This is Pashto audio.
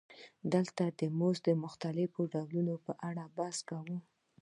دلته د مزد د مختلفو ډولونو په اړه بحث کوو